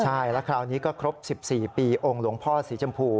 ใช่แล้วคราวนี้ก็ครบ๑๔ปีองค์หลวงพ่อสีชมพู